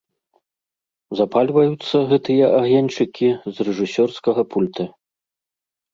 Запальваюцца гэтыя агеньчыкі з рэжысёрскага пульта.